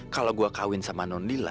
kalau aku berkahwin dengan nondila